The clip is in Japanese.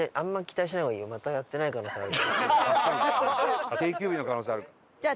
定休日の可能性ある。